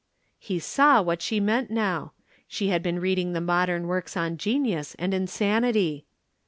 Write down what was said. He saw what she meant now. She had been reading the modern works on genius and insanity.